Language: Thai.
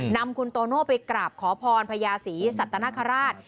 นำคุณโตโน่ไปกราบขอพรพญาศรีสัตนคราช